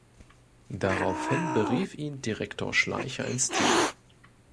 Daraufhin berief ihn Direktor Schleicher ins Team.